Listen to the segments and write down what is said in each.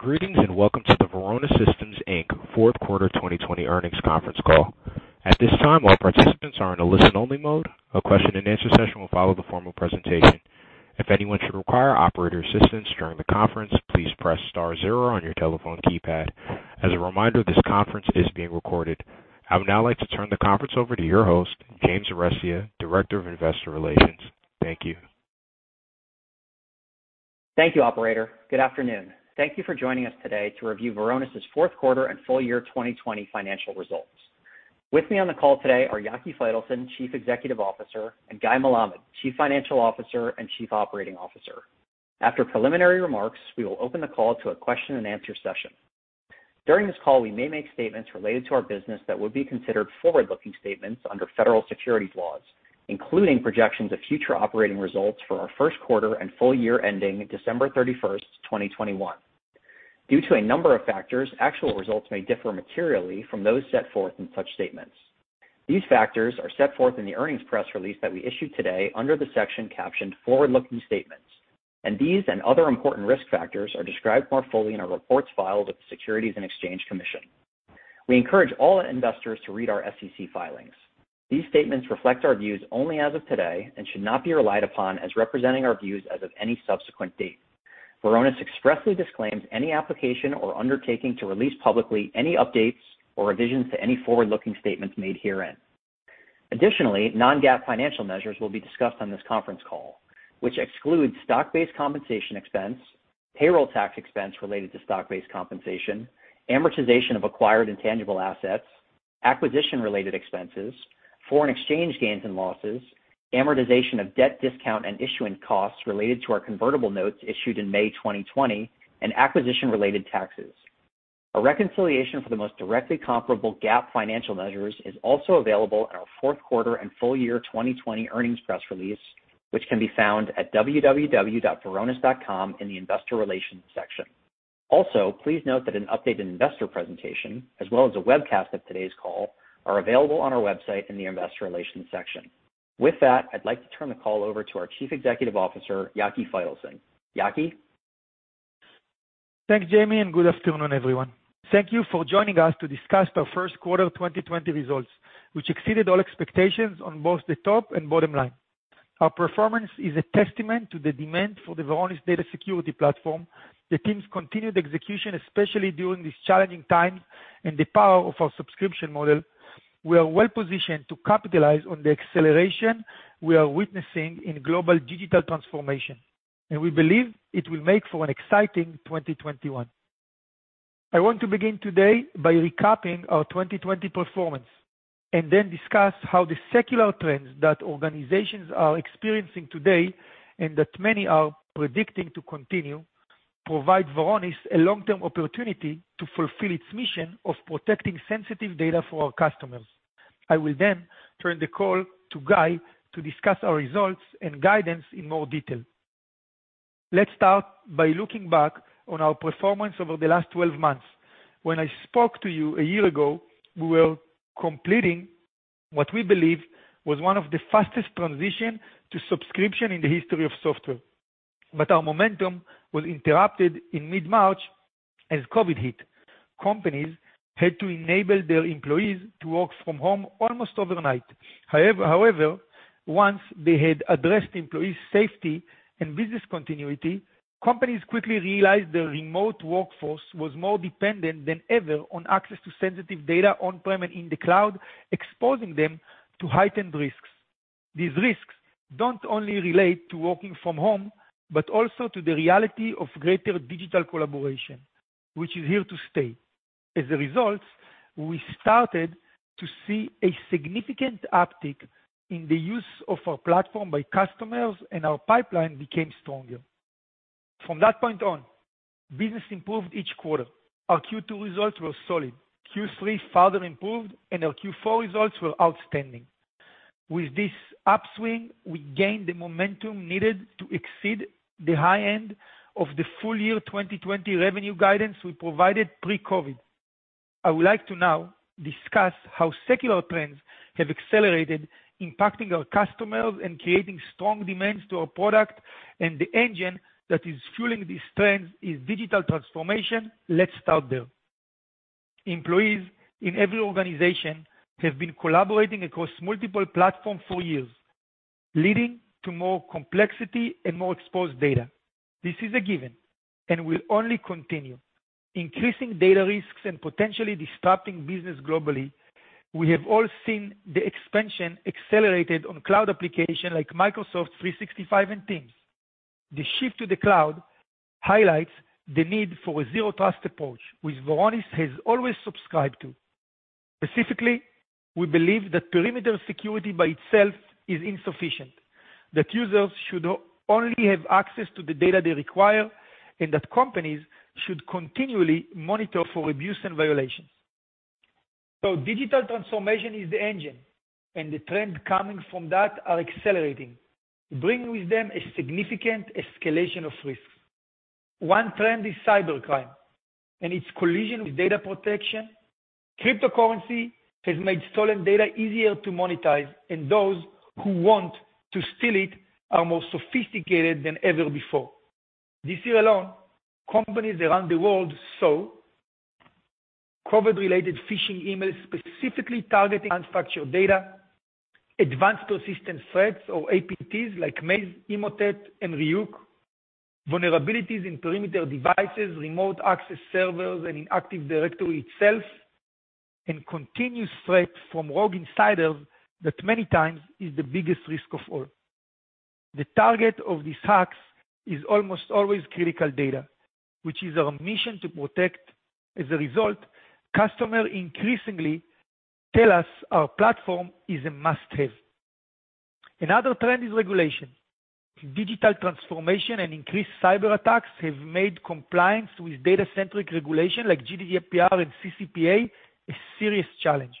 Greetings, and welcome to the Varonis Systems Inc. fourth quarter 2020 earnings conference call. I would now like to turn the conference over to your host, James Arestia, Director of Investor Relations. Thank you. Thank you operator. Good afternoon. Thank you for joining us today to review Varonis' fourth quarter and full year 2020 financial results. With me on the call today are Yaki Faitelson, Chief Executive Officer, and Guy Melamed, Chief Financial Officer and Chief Operating Officer. After preliminary remarks, we will open the call to a question-and-answer session. During this call, we may make statements related to our business that would be considered forward-looking statements under federal securities laws, including projections of future operating results for our first quarter and full year ending December 31st, 2021. Due to a number of factors, actual results may differ materially from those set forth in such statements. These factors are set forth in the earnings press release that we issued today under the section captioned Forward-Looking Statements, and these and other important risk factors are described more fully in our reports filed with the Securities and Exchange Commission. We encourage all investors to read our SEC filings. These statements reflect our views only as of today and should not be relied upon as representing our views as of any subsequent date. Varonis expressly disclaims any application or undertaking to release publicly any updates or revisions to any forward-looking statements made herein. Additionally, non-GAAP financial measures will be discussed on this conference call, which excludes stock-based compensation expense, payroll tax expense related to stock-based compensation, amortization of acquired intangible assets, acquisition related expenses, foreign exchange gains and losses, amortization of debt discount and issuing costs related to our convertible notes issued in May 2020, and acquisition related taxes. A reconciliation for the most directly comparable GAAP financial measures is also available in our fourth quarter and full year 2020 earnings press release, which can be found at www.varonis.com in the investor relations section. Please note that an updated investor presentation, as well as a webcast of today's call, are available on our website in the investor relations section. With that, I'd like to turn the call over to our Chief Executive Officer, Yaki Faitelson. Yaki? Thanks, Jamie. Good afternoon, everyone. Thank you for joining us to discuss our first quarter 2020 results, which exceeded all expectations on both the top and bottom line. Our performance is a testament to the demand for the Varonis Data Security Platform, the team's continued execution, especially during these challenging times, and the power of our subscription model. We are well-positioned to capitalize on the acceleration we are witnessing in global digital transformation. We believe it will make for an exciting 2021. I want to begin today by recapping our 2020 performance. Then discuss how the secular trends that organizations are experiencing today, and that many are predicting to continue, provide Varonis a long-term opportunity to fulfill its mission of protecting sensitive data for our customers. I will then turn the call to Guy to discuss our results and guidance in more detail. Let's start by looking back on our performance over the last 12 months. When I spoke to you a year ago, we were completing what we believe was one of the fastest transition to subscription in the history of software. Our momentum was interrupted in mid-March as COVID hit. Companies had to enable their employees to work from home almost overnight. However, once they had addressed employees' safety and business continuity, companies quickly realized their remote workforce was more dependent than ever on access to sensitive data on-prem and in the cloud, exposing them to heightened risks. These risks don't only relate to working from home, but also to the reality of greater digital collaboration, which is here to stay. As a result, we started to see a significant uptick in the use of our platform by customers, and our pipeline became stronger. From that point on, business improved each quarter. Our Q2 results were solid. Q3 further improved, and our Q4 results were outstanding. With this upswing, we gained the momentum needed to exceed the high end of the full year 2020 revenue guidance we provided pre-COVID. I would like to now discuss how secular trends have accelerated, impacting our customers and creating strong demands to our product, and the engine that is fueling these trends is digital transformation. Let's start there. Employees in every organization have been collaborating across multiple platforms for years, leading to more complexity and more exposed data. This is a given and will only continue, increasing data risks and potentially disrupting business globally. We have all seen the expansion accelerated on cloud application like Microsoft 365 and Teams. The shift to the cloud highlights the need for a Zero Trust approach, which Varonis has always subscribed to. Specifically, we believe that perimeter security by itself is insufficient, that users should only have access to the data they require, and that companies should continually monitor for abuse and violations. Digital transformation is the engine, and the trends coming from that are accelerating, bringing with them a significant escalation of risk. One trend is cybercrime and its collision with data protection. Cryptocurrency has made stolen data easier to monetize, and those who want to steal it are more sophisticated than ever before. This year alone, companies around the world saw COVID-related phishing emails specifically targeting unstructured data, advanced persistent threats or APTs like Maze, Emotet, and Ryuk, vulnerabilities in perimeter devices, remote access servers, and in Active Directory itself, and continuous threats from rogue insiders that many times is the biggest risk of all. The target of these hacks is almost always critical data, which is our mission to protect. As a result, customers increasingly tell us our platform is a must-have. Another trend is regulation. Digital transformation and increased cyber attacks have made compliance with data-centric regulation like GDPR and CCPA a serious challenge.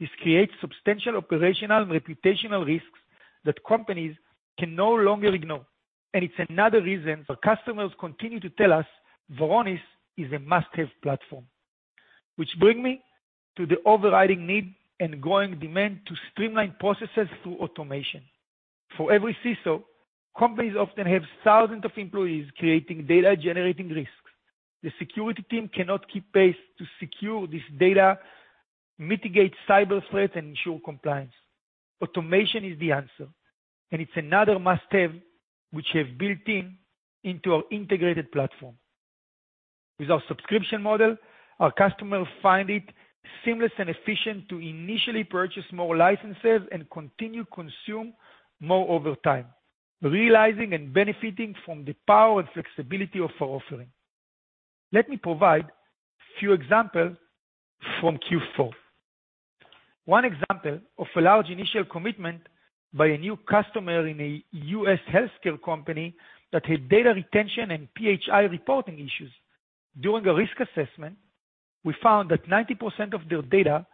This creates substantial operational and reputational risks that companies can no longer ignore. It's another reason our customers continue to tell us Varonis is a must-have platform. Which bring me to the overriding need and growing demand to streamline processes through automation. For every CISO, companies often have thousands of employees creating data-generating risks. The security team cannot keep pace to secure this data, mitigate cyber threats, and ensure compliance. Automation is the answer, and it's another must-have which we have built in into our integrated platform. With our subscription model, our customers find it seamless and efficient to initially purchase more licenses and continue consume more over time, realizing and benefiting from the power and flexibility of our offering. Let me provide a few examples from Q4. One example of a large initial commitment by a new customer in a U.S. healthcare company that had data retention and PHI reporting issues. During a risk assessment, we found that 90% of their data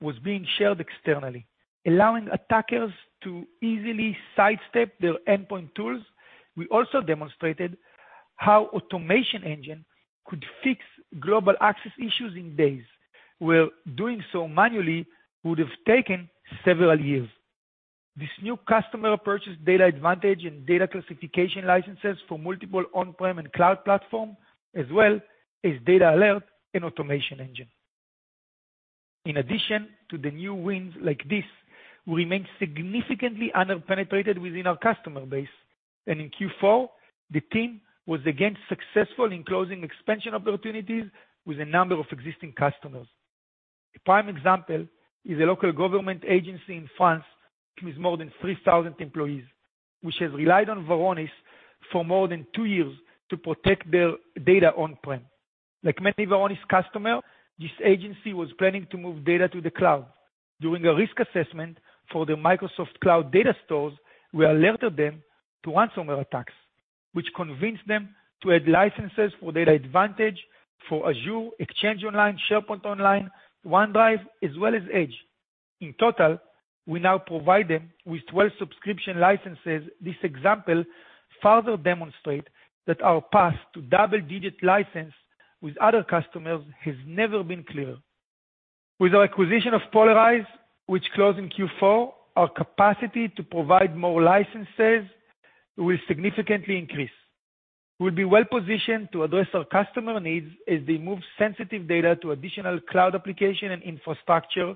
was being shared externally, allowing attackers to easily sidestep their endpoint tools. We also demonstrated how Automation Engine could fix global access issues in days, where doing so manually would have taken several years. This new customer purchased DatAdvantage and Data Classification licenses for multiple on-prem and cloud platform, as well as DatAlert and Automation Engine. In addition to the new wins like this, we remain significantly under-penetrated within our customer base. In Q4, the team was again successful in closing expansion opportunities with a number of existing customers. A prime example is a local government agency in France with more than 3,000 employees, which has relied on Varonis for more than two years to protect their data on-prem. Like many Varonis customer, this agency was planning to move data to the cloud. During a risk assessment for their Microsoft Cloud data stores, we alerted them to ransomware attacks, which convinced them to add licenses for DatAdvantage for Azure, Exchange Online, SharePoint Online, OneDrive, as well as Edge. In total, we now provide them with 12 subscription licenses. This example further demonstrate that our path to double-digit license with other customers has never been clearer. With our acquisition of Polyrize, which closed in Q4, our capacity to provide more licenses will significantly increase. We'll be well-positioned to address our customer needs as they move sensitive data to additional cloud application and infrastructure,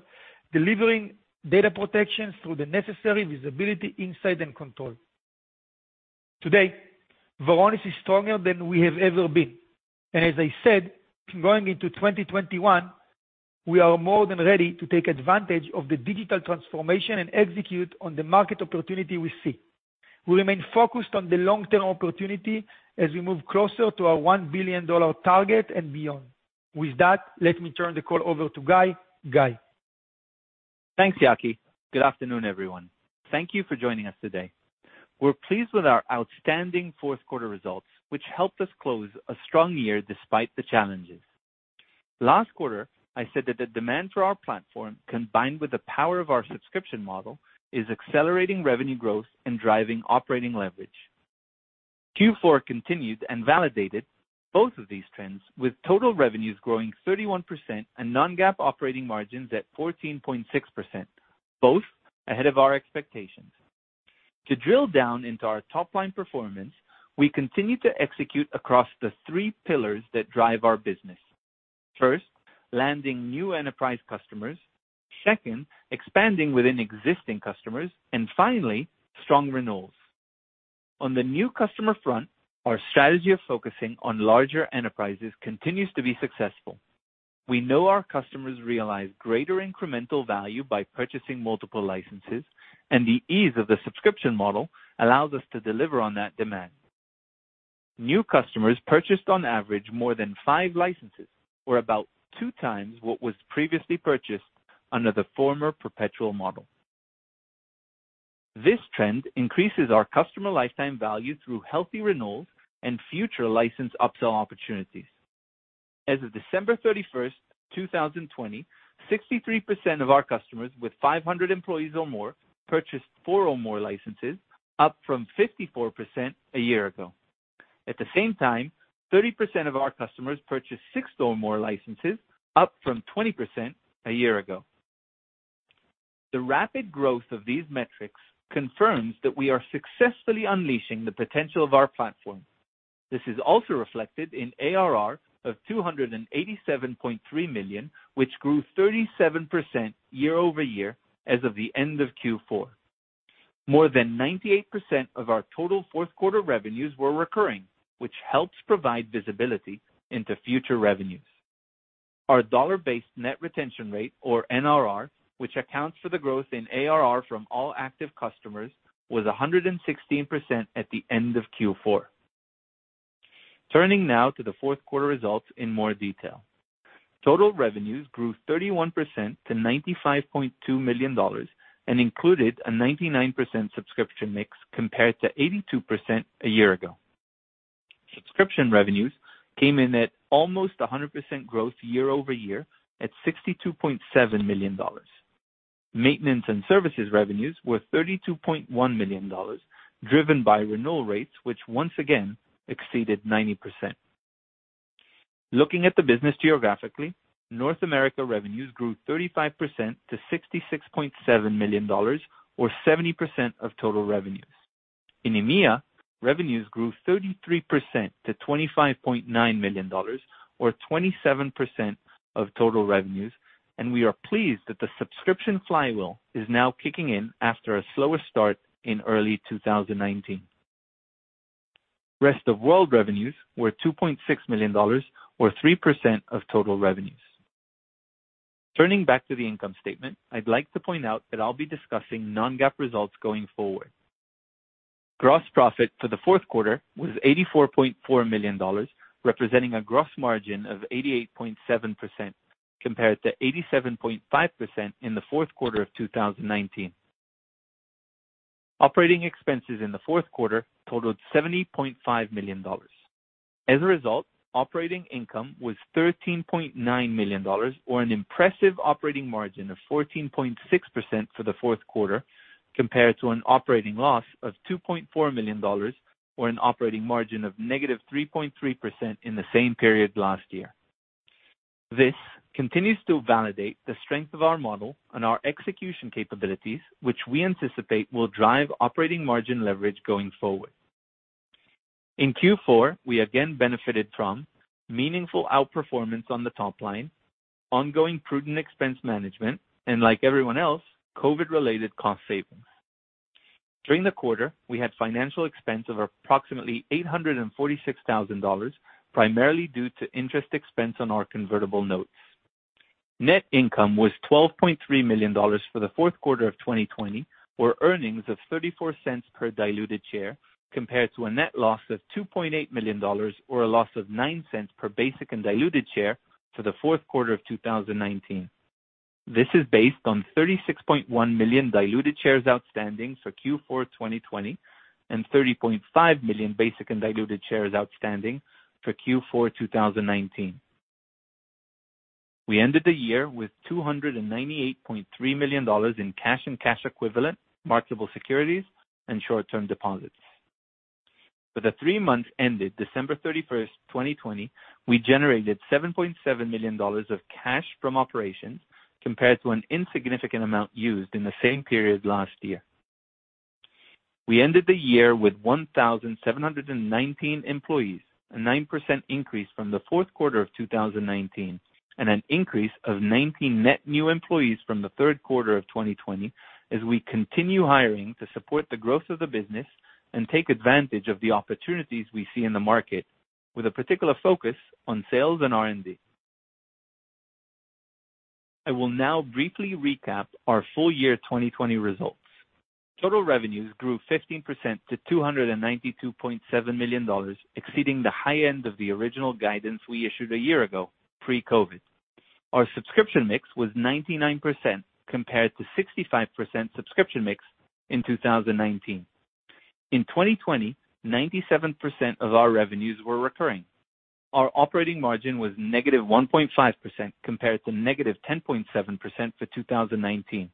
delivering data protection through the necessary visibility, insight, and control. Today, Varonis is stronger than we have ever been. As I said, going into 2021, we are more than ready to take advantage of the digital transformation and execute on the market opportunity we see. We remain focused on the long-term opportunity as we move closer to our $1 billion target and beyond. With that, let me turn the call over to Guy. Guy? Thanks, Yaki. Good afternoon, everyone. Thank you for joining us today. We're pleased with our outstanding fourth quarter results, which helped us close a strong year despite the challenges. Last quarter, I said that the demand for our platform, combined with the power of our subscription model, is accelerating revenue growth and driving operating leverage. Q4 continued and validated both of these trends, with total revenues growing 31% and non-GAAP operating margins at 14.6%, both ahead of our expectations. To drill down into our top-line performance, we continue to execute across the three pillars that drive our business. First, landing new enterprise customers. Second, expanding within existing customers. Finally, strong renewals. On the new customer front, our strategy of focusing on larger enterprises continues to be successful. We know our customers realize greater incremental value by purchasing multiple licenses. The ease of the subscription model allows us to deliver on that demand. New customers purchased on average more than five licenses, or about two times what was previously purchased under the former perpetual model. This trend increases our customer lifetime value through healthy renewals and future license upsell opportunities. As of December 31st, 2020, 63% of our customers with 500 employees or more purchased four or more licenses, up from 54% a year ago. At the same time, 30% of our customers purchased six or more licenses, up from 20% a year ago. The rapid growth of these metrics confirms that we are successfully unleashing the potential of our platform. This is also reflected in ARR of $287.3 million, which grew 37% year-over-year as of the end of Q4. More than 98% of our total fourth quarter revenues were recurring, which helps provide visibility into future revenues. Our dollar-based net retention rate, or NRR, which accounts for the growth in ARR from all active customers, was 116% at the end of Q4. Turning now to the fourth quarter results in more detail. Total revenues grew 31% to $95.2 million and included a 99% subscription mix, compared to 82% a year ago. Subscription revenues came in at almost 100% growth year-over-year at $62.7 million. Maintenance and services revenues were $32.1 million, driven by renewal rates, which once again exceeded 90%. Looking at the business geographically, North America revenues grew 35% to $66.7 million or 70% of total revenues. In EMEA, revenues grew 33% to $25.9 million or 27% of total revenues, and we are pleased that the subscription flywheel is now kicking in after a slower start in early 2019. Rest of World revenues were $2.6 million or 3% of total revenues. Turning back to the income statement, I'd like to point out that I'll be discussing non-GAAP results going forward. Gross profit for the fourth quarter was $84.4 million, representing a gross margin of 88.7% compared to 87.5% in the fourth quarter of 2019. Operating expenses in the fourth quarter totaled $70.5 million. As a result, operating income was $13.9 million or an impressive operating margin of 14.6% for the fourth quarter, compared to an operating loss of $2.4 million or an operating margin of -3.3% in the same period last year. This continues to validate the strength of our model and our execution capabilities, which we anticipate will drive operating margin leverage going forward. In Q4, we again benefited from meaningful outperformance on the top line, ongoing prudent expense management, and like everyone else, COVID-related cost savings. During the quarter, we had financial expense of approximately $846,000, primarily due to interest expense on our convertible notes. Net income was $12.3 million for the fourth quarter of 2020, or earnings of $0.34 per diluted share, compared to a net loss of $2.8 million or a loss of $0.09 per basic and diluted share for the fourth quarter of 2019. This is based on 36.1 million diluted shares outstanding for Q4 2020 and 30.5 million basic and diluted shares outstanding for Q4 2019. We ended the year with $298.3 million in cash and cash equivalent marketable securities and short-term deposits. For the three months ended December 31st, 2020, we generated $7.7 million of cash from operations compared to an insignificant amount used in the same period last year. We ended the year with 1,719 employees, a 9% increase from the fourth quarter of 2019, and an increase of 19 net new employees from the third quarter of 2020 as we continue hiring to support the growth of the business and take advantage of the opportunities we see in the market, with a particular focus on sales and R&D. I will now briefly recap our full year 2020 results. Total revenues grew 15% to $292.7 million, exceeding the high end of the original guidance we issued a year ago, pre-COVID. Our subscription mix was 99%, compared to 65% subscription mix in 2019. In 2020, 97% of our revenues were recurring. Our operating margin was -1.5%, compared to -10.7% for 2019,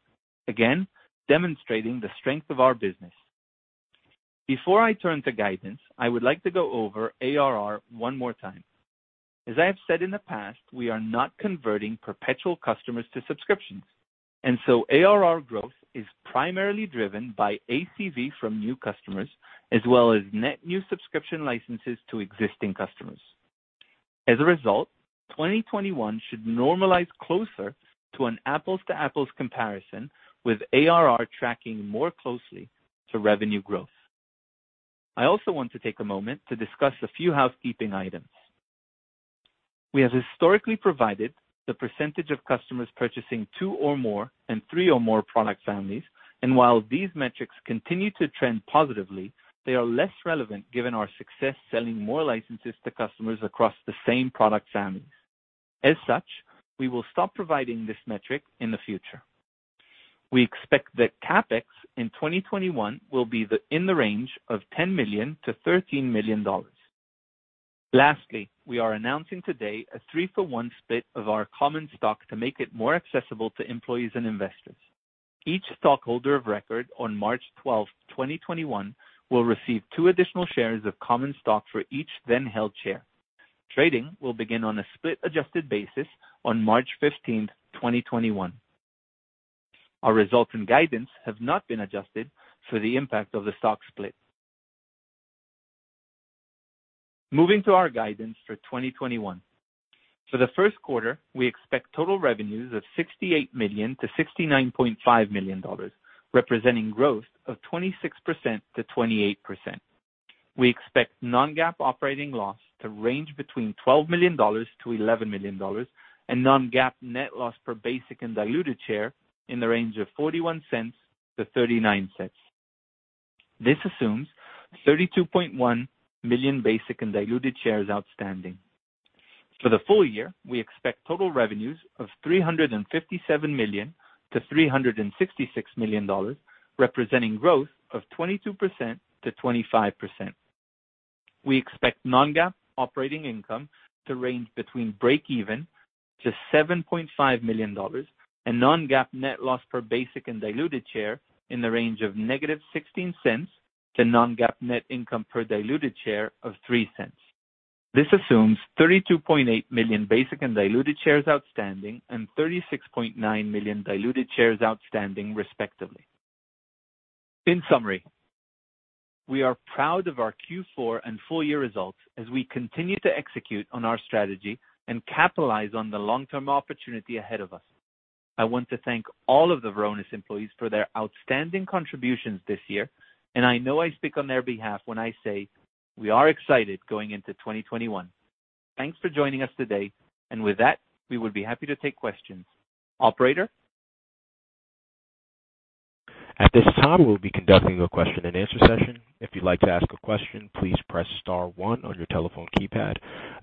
again demonstrating the strength of our business. Before I turn to guidance, I would like to go over ARR one more time. As I have said in the past, we are not converting perpetual customers to subscriptions, and so ARR growth is primarily driven by ACV from new customers as well as net new subscription licenses to existing customers. As a result, 2021 should normalize closer to an apples-to-apples comparison with ARR tracking more closely to revenue growth. I also want to take a moment to discuss a few housekeeping items. We have historically provided the percentage of customers purchasing two or more and three or more product families, and while these metrics continue to trend positively, they are less relevant given our success selling more licenses to customers across the same product families. As such, we will stop providing this metric in the future. We expect that CapEx in 2021 will be in the range of $10 million-$13 million. Lastly, we are announcing today a three for one split of our common stock to make it more accessible to employees and investors. Each stockholder of record on March 12th, 2021, will receive two additional shares of common stock for each then-held share. Trading will begin on a split-adjusted basis on March 15th, 2021. Our results and guidance have not been adjusted for the impact of the stock split. Moving to our guidance for 2021. For the first quarter, we expect total revenues of $68 million-$69.5 million, representing growth of 26%-28%. We expect non-GAAP operating loss to range between $12 million-$11 million, and non-GAAP net loss per basic and diluted share in the range of $0.41-$0.39. This assumes 32.1 million basic and diluted shares outstanding. For the full year, we expect total revenues of $357 million-$366 million, representing growth of 22%-25%. We expect non-GAAP operating income to range between breakeven to $7.5 million, and non-GAAP net loss per basic and diluted share in the range of negative $0.16 to non-GAAP net income per diluted share of $0.03. This assumes 32.8 million basic and diluted shares outstanding and 36.9 million diluted shares outstanding respectively. In summary, we are proud of our Q4 and full-year results as we continue to execute on our strategy and capitalize on the long-term opportunity ahead of us. I want to thank all of the Varonis employees for their outstanding contributions this year, and I know I speak on their behalf when I say we are excited going into 2021. Thanks for joining us today, and with that, we would be happy to take questions. Operator? At this time, we'll be conducting a question-and-answer session. If you'd like to ask a question, please press star one on your telephone keypad.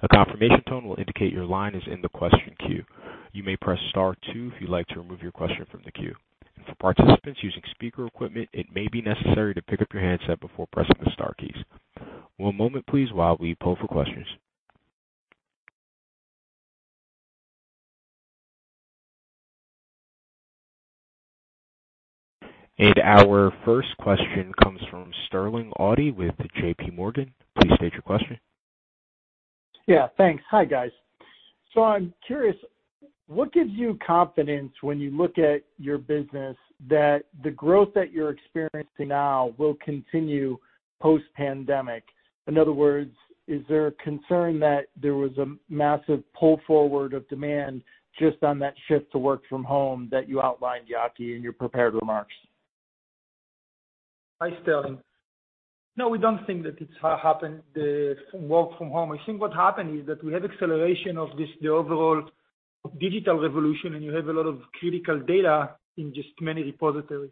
A confirmation tone will indicate your line is in the question queue. You may press star two if you'd like to remove your question from the queue. For participants using speaker equipment, it may be necessary to pick up your handset before pressing the star keys. One moment please while we poll for questions. Our first question comes from Sterling Auty with JPMorgan. Please state your question. Yeah, thanks. Hi, guys. I'm curious, what gives you confidence when you look at your business that the growth that you're experiencing now will continue post-pandemic? In other words, is there a concern that there was a massive pull forward of demand just on that shift to work from home that you outlined, Yaki, in your prepared remarks? Hi, Sterling. We don't think that it's happened, the work from home. I think what happened is that we had acceleration of the overall digital revolution, and you have a lot of critical data in just many repositories.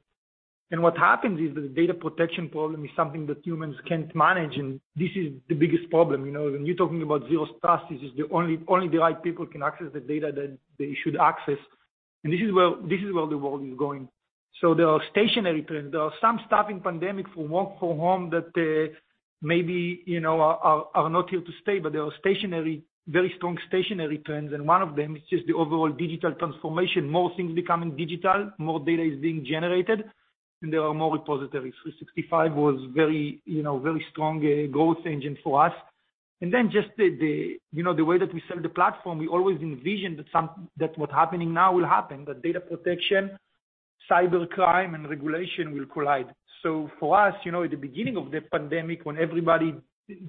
What happens is the data protection problem is something that humans can't manage, and this is the biggest problem. When you're talking about Zero Trust, it's just only the right people can access the data that they should access. This is where the world is going. There are stationary trends. There are some stopping pandemic from work from home that maybe are not here to stay, but there are very strong stationary trends, and one of them is just the overall digital transformation. More things becoming digital, more data is being generated, and there are more repositories. 365 was very strong growth engine for us. Just the way that we sell the platform, we always envisioned that what's happening now will happen, that data protection, cybercrime, and regulation will collide. For us, at the beginning of the pandemic, when everybody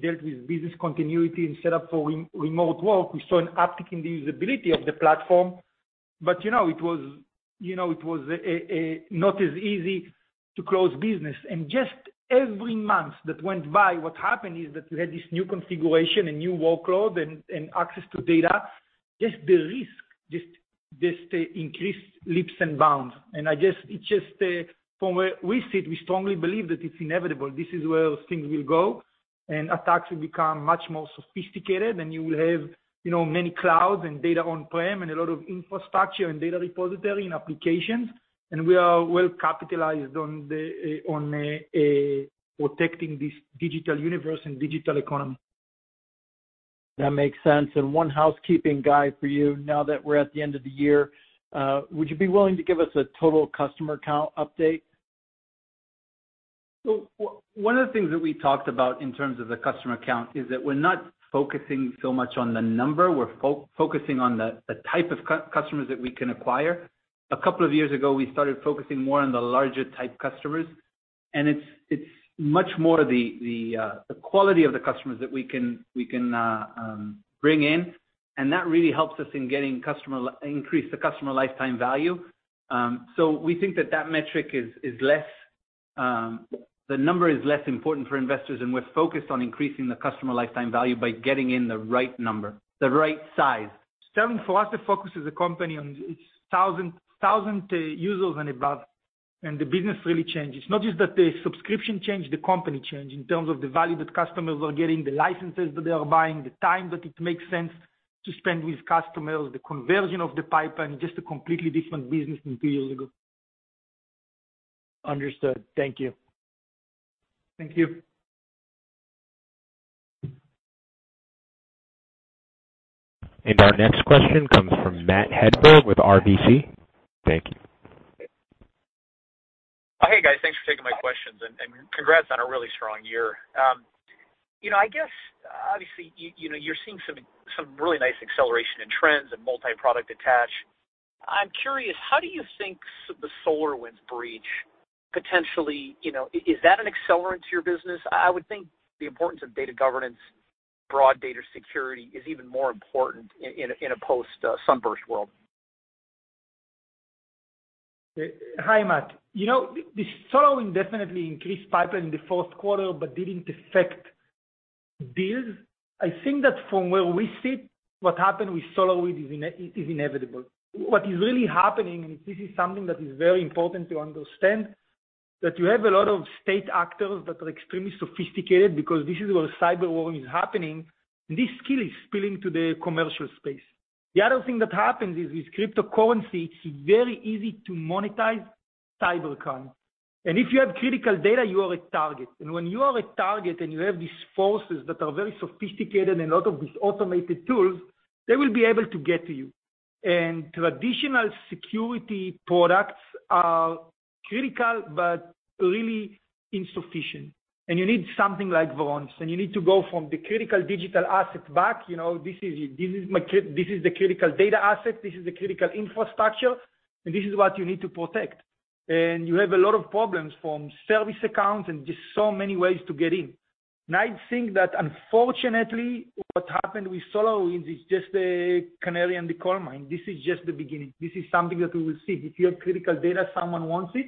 dealt with business continuity and set up for remote work, we saw an uptick in the usability of the platform. It was not as easy to close business. Just every month that went by, what happened is that you had this new configuration, a new workload, and access to data. Just the risk increased leaps and bounds. From where we sit, we strongly believe that it's inevitable. This is where things will go, and attacks will become much more sophisticated, and you will have many clouds and data on-prem and a lot of infrastructure and data repository and applications, and we are well-capitalized on protecting this digital universe and digital economy. That makes sense. One housekeeping, Guy, for you, now that we're at the end of the year, would you be willing to give us a total customer count update? One of the things that we talked about in terms of the customer count is that we're not focusing so much on the number, we're focusing on the type of customers that we can acquire. A couple of years ago, we started focusing more on the larger type customers, and it's much more the quality of the customers that we can bring in, and that really helps us increase the customer lifetime value. We think that that metric is less. The number is less important for investors, and we're focused on increasing the customer lifetime value by getting in the right number, the right size. Sterling, for us, the focus as a company on 1,000 users and above, and the business really changes. Not just that the subscription change, the company change in terms of the value that customers are getting, the licenses that they are buying, the time that it makes sense to spend with customers, the conversion of the pipeline, just a completely different business than two years ago. Understood. Thank you. Thank you. Our next question comes from Matt Hedberg with RBC. Thank you. Hey, guys. Thanks for taking my questions. Congrats on a really strong year. I guess, obviously, you're seeing some really nice acceleration in trends and multi-product attach. I'm curious, how do you think the SolarWinds breach potentially, is that an accelerant to your business? I would think the importance of data governance, broad data security is even more important in a post-SUNBURST world. Hi, Matt. The SolarWinds definitely increased pipeline in the fourth quarter, didn't affect deals. I think that from where we sit, what happened with SolarWinds is inevitable. What is really happening, this is something that is very important to understand, that you have a lot of state actors that are extremely sophisticated because this is where cyber war is happening, this skill is spilling to the commercial space. The other thing that happens is, with cryptocurrency, it's very easy to monetize cybercrime. If you have critical data, you are a target. When you are a target and you have these forces that are very sophisticated and a lot of these automated tools, they will be able to get to you. Traditional security products are critical, but really insufficient. You need something like Varonis, and you need to go from the critical digital asset back. This is the critical data asset, this is the critical infrastructure, and this is what you need to protect. You have a lot of problems from service accounts and just so many ways to get in. I think that unfortunately, what happened with SolarWinds is just a canary in the coal mine. This is just the beginning. This is something that we will see. If you have critical data, someone wants it.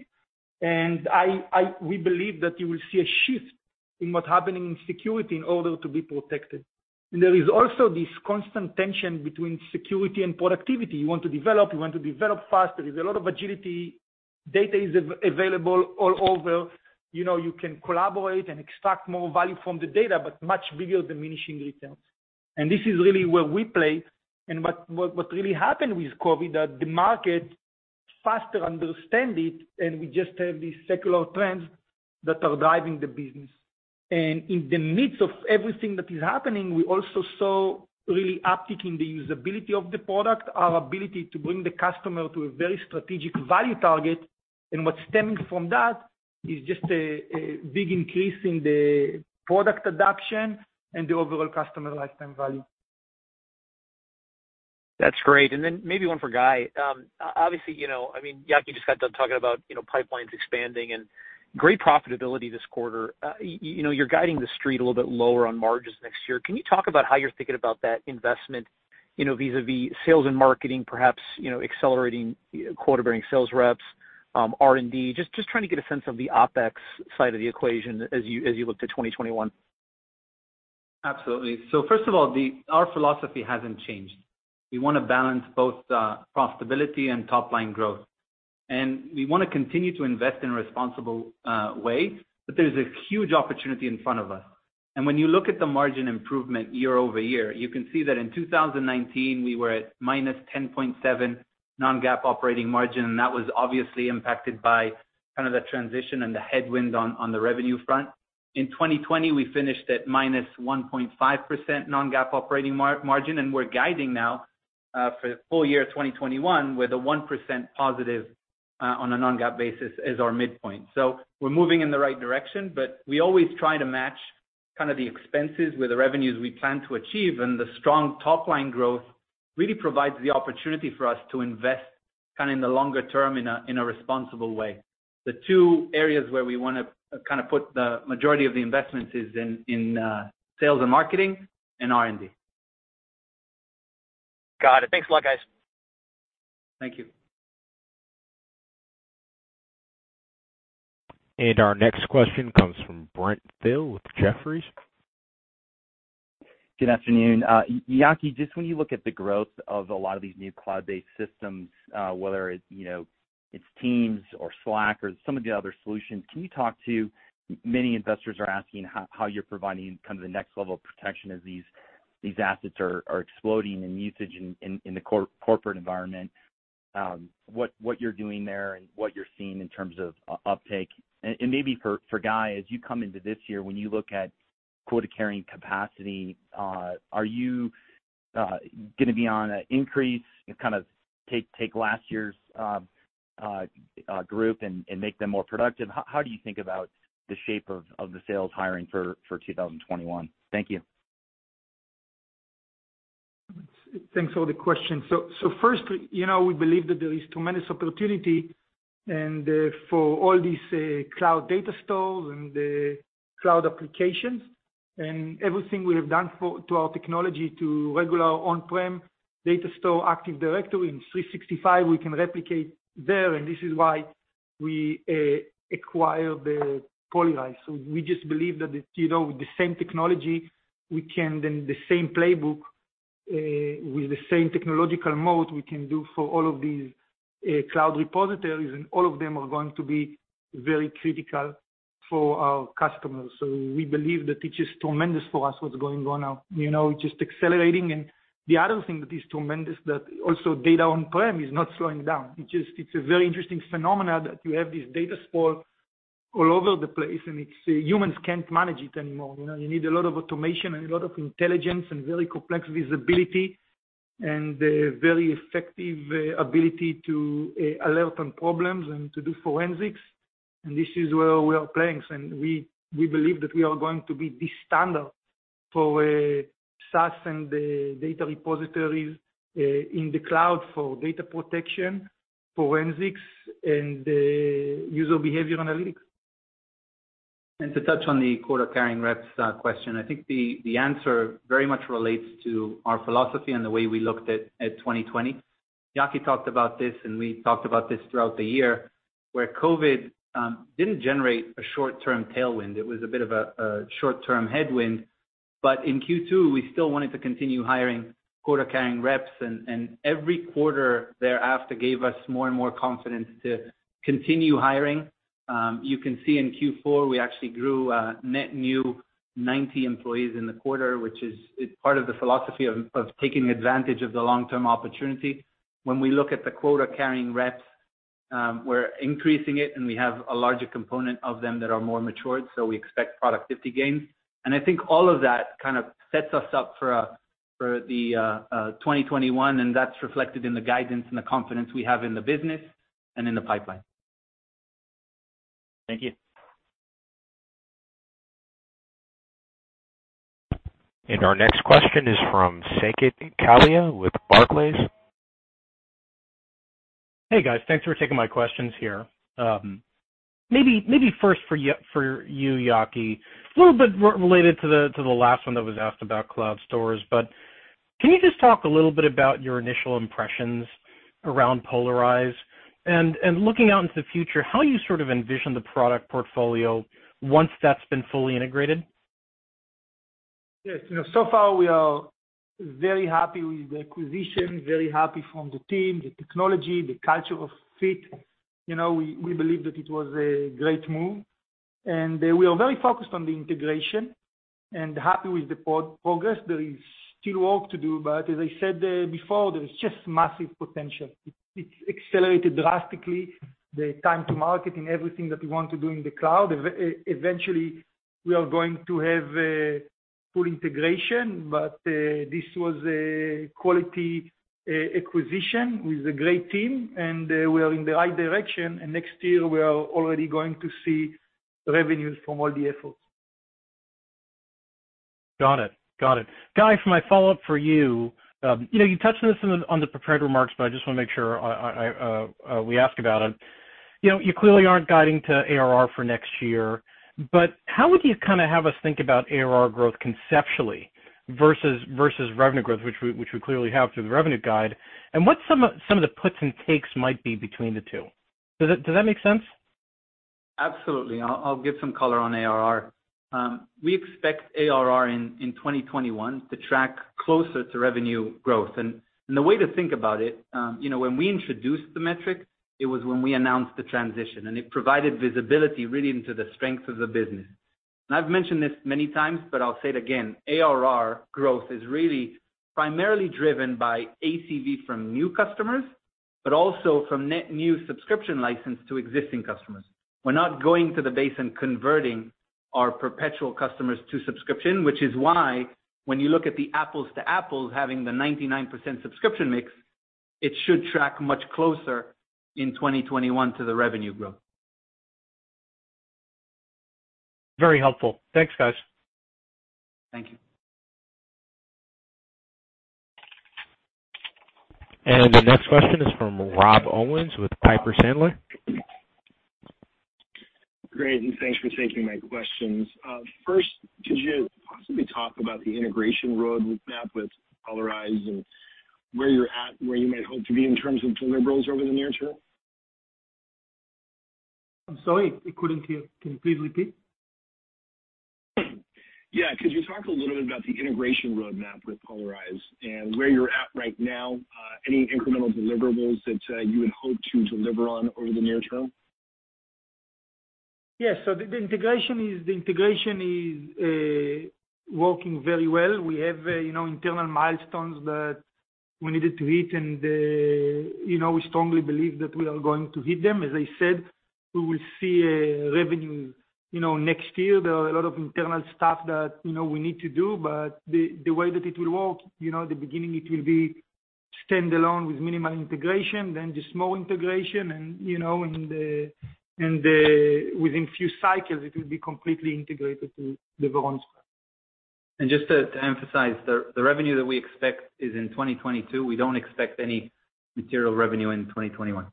We believe that you will see a shift in what's happening in security in order to be protected. There is also this constant tension between security and productivity. You want to develop, you want to develop fast. There is a lot of agility. Data is available all over. You can collaborate and extract more value from the data, but much bigger diminishing returns. This is really where we play, and what really happened with COVID, that the market faster understand it, and we just have these secular trends that are driving the business. In the midst of everything that is happening, we also saw really uptick in the usability of the product, our ability to bring the customer to a very strategic value target. What's stemming from that is just a big increase in the product adoption and the overall customer lifetime value. That's great. Then maybe one for Guy. Obviously, Yaki just got done talking about pipelines expanding and great profitability this quarter. You're guiding the street a little bit lower on margins next year. Can you talk about how you're thinking about that investment, vis-a-vis sales and marketing, perhaps, accelerating quota-bearing sales reps, R&D? Just trying to get a sense of the OpEx side of the equation as you look to 2021. Absolutely. First of all, our philosophy hasn't changed. We want to balance both profitability and top-line growth. We want to continue to invest in a responsible way, but there's a huge opportunity in front of us. When you look at the margin improvement year-over-year, you can see that in 2019, we were at -10.7 non-GAAP operating margin, and that was obviously impacted by kind of the transition and the headwind on the revenue front. In 2020, we finished at -1.5% non-GAAP operating margin, and we're guiding now, for the full year 2021, with a 1% positive, on a non-GAAP basis, as our midpoint. We're moving in the right direction, but we always try to match kind of the expenses with the revenues we plan to achieve, and the strong top-line growth really provides the opportunity for us to invest in the longer term in a responsible way. The two areas where we want to put the majority of the investments is in sales and marketing and R&D. Got it. Thanks a lot, guys. Thank you. Our next question comes from Brent Thill with Jefferies. Good afternoon. Yaki, just when you look at the growth of a lot of these new cloud-based systems, whether it's Teams or Slack or some of the other solutions, can you talk to, many investors are asking how you're providing kind of the next level of protection as these assets are exploding in usage in the corporate environment, what you're doing there and what you're seeing in terms of uptake. Maybe for Guy, as you come into this year, when you look at quota-carrying capacity, are you going to be on an increase and kind of take last year's group and make them more productive? How do you think about the shape of the sales hiring for 2021? Thank you. Thanks for the question. First, we believe that there is tremendous opportunity, and for all these cloud data stores and the cloud applications, and everything we have done to our technology to regular on-prem data store Active Directory in 365, we can replicate there, and this is why we acquired the Polyrize. We just believe that with the same technology, we can then, the same playbook, with the same technological mode, we can do for all of these cloud repositories, and all of them are going to be very critical for our customers. We believe that it is tremendous for us what's going on now, just accelerating. The other thing that is tremendous, that also data on-prem is not slowing down. It's a very interesting phenomenon that you have this data sprawl all over the place, and humans can't manage it anymore. You need a lot of automation and a lot of intelligence and very complex visibility and a very effective ability to alert on problems and to do forensics. This is where we are playing, and we believe that we are going to be the standard for SaaS and data repositories in the cloud for data protection, forensics, and user behavior analytics. To touch on the quota-carrying reps question, I think the answer very much relates to our philosophy and the way we looked at 2020. Yaki talked about this, and we talked about this throughout the year, where COVID didn't generate a short-term tailwind. It was a bit of a short-term headwind. In Q2, we still wanted to continue hiring quota-carrying reps, and every quarter thereafter gave us more and more confidence to continue hiring. You can see in Q4, we actually grew net new 90 employees in the quarter, which is part of the philosophy of taking advantage of the long-term opportunity. When we look at the quota-carrying reps, we're increasing it, and we have a larger component of them that are more matured, so we expect productivity gains. I think all of that kind of sets us up for the 2021, and that's reflected in the guidance and the confidence we have in the business and in the pipeline. Thank you. Our next question is from Saket Kalia with Barclays. Hey, guys. Thanks for taking my questions here. Maybe first for you, Yaki, a little related to the last one that was asked about Cloud Storage, can you just talk a little bit about your initial impressions around Polyrize? Looking out into the future, how you sort of envision the product portfolio once that's been fully integrated? Yes. So far, we are very happy with the acquisition, very happy from the team, the technology, the culture of fit. We believe that it was a great move, and we are very focused on the integration and happy with the progress. There is still work to do, but as I said before, there is just massive potential. It's accelerated drastically, the time to market and everything that we want to do in the cloud. Eventually, we are going to have full integration, but this was a quality acquisition with a great team, and we are in the right direction, and next year, we are already going to see revenues from all the efforts. Got it. Guy, for my follow-up for you. You touched on this on the prepared remarks, but I just want to make sure we ask about it. You clearly aren't guiding to ARR for next year, but how would you have us think about ARR growth conceptually versus revenue growth, which we clearly have through the revenue guide, and what some of the puts and takes might be between the two? Does that make sense? Absolutely. I'll give some color on ARR. We expect ARR in 2021 to track closer to revenue growth. The way to think about it, when we introduced the metric, it was when we announced the transition, and it provided visibility really into the strength of the business. I've mentioned this many times, but I'll say it again. ARR growth is really primarily driven by ACV from new customers, but also from net new subscription license to existing customers. We're not going to the base and converting our perpetual customers to subscription, which is why when you look at the apples to apples, having the 99% subscription mix, it should track much closer in 2021 to the revenue growth. Very helpful. Thanks, guys. Thank you. The next question is from Rob Owens with Piper Sandler. Great, thanks for taking my questions. First, could you possibly talk about the integration roadmap with Polyrize and where you're at and where you might hope to be in terms of deliverables over the near term? I'm sorry, I couldn't hear. Can you please repeat? Could you talk a little bit about the integration roadmap with Polyrize and where you're at right now, any incremental deliverables that you would hope to deliver on over the near term? Yes. The integration is working very well. We have internal milestones that we needed to hit, and we strongly believe that we are going to hit them. As I said, we will see revenue next year. There are a lot of internal stuff that we need to do. The way that it will work, the beginning, it will be standalone with minimal integration, then just small integration, and within few cycles, it will be completely integrated to Varonis. Just to emphasize, the revenue that we expect is in 2022. We don't expect any material revenue in 2021.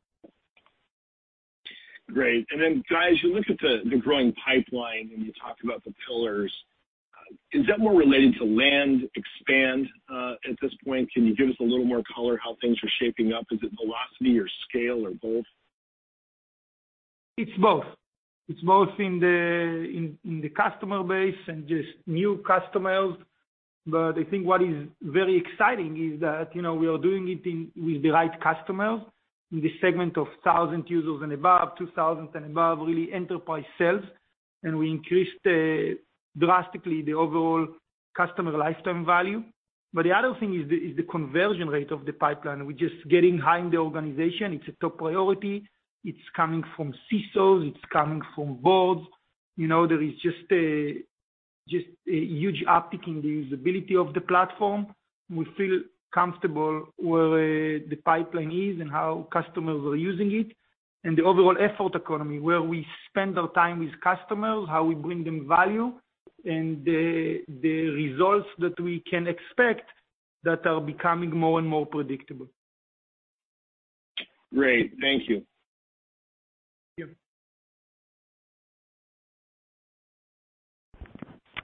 Great. Guy, as you look at the growing pipeline and you talked about the pillars, is that more related to land-expand, at this point? Can you give us a little more color how things are shaping up? Is it velocity or scale or both? It's both. It's both in the customer base and just new customers. I think what is very exciting is that we are doing it with the right customers in the segment of 1,000 users and above, 2,000 and above, really enterprise sales. We increased drastically the overall customer lifetime value. The other thing is the conversion rate of the pipeline. We're just getting high in the organization. It's a top priority. It's coming from CISOs, it's coming from boards. There is just a huge uptick in the usability of the platform. We feel comfortable where the pipeline is and how customers are using it, and the overall effort economy, where we spend our time with customers, how we bring them value, and the results that we can expect that are becoming more and more predictable. Great. Thank you.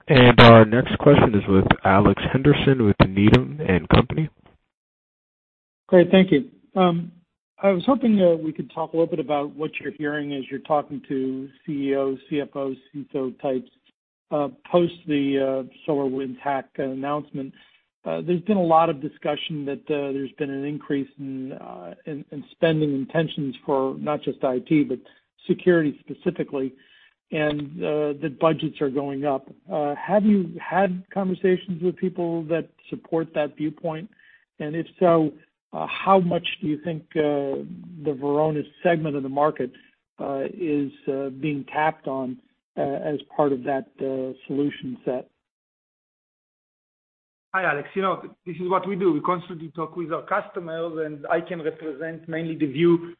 Yep. Our next question is with Alex Henderson with Needham & Company. Great, thank you. I was hoping we could talk a little bit about what you're hearing as you're talking to CEOs, CFOs, CTO types, post the SolarWinds hack announcement. There's been a lot of discussion that there's been an increase in spending intentions for not just IT, but security specifically, and that budgets are going up. Have you had conversations with people that support that viewpoint? If so, how much do you think the Varonis segment of the market is being tapped on as part of that solution set? Hi, Alex Henderson. This is what we do. We constantly talk with our customers, and I can represent mainly the view of